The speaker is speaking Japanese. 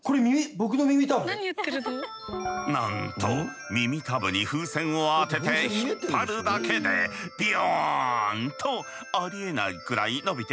なんと耳たぶに風船を当てて引っ張るだけでびよんとありえないくらい伸びているように感じるという。